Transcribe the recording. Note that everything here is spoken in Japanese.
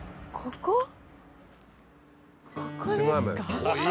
ここですか？